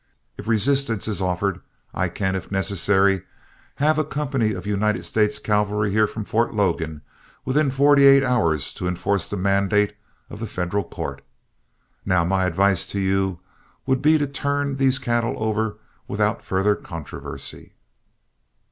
If resistance is offered, I can, if necessary, have a company of United States cavalry here from Fort Logan within forty eight hours to enforce the mandates of the federal court. Now my advice to you would be to turn these cattle over without further controversy."